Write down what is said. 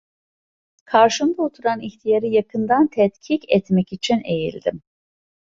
Karşımda oturan ihtiyarı yakından tetkik etmek için eğildim.